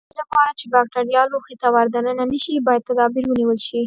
د دې لپاره چې بکټریا لوښي ته ور دننه نشي باید تدابیر ونیول شي.